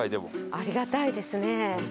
ありがたいですね。